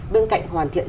bên cạnh hoàn thiện